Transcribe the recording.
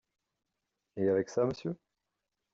Et avec ça, Monsieur?